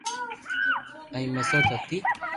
۽ مسرت هئي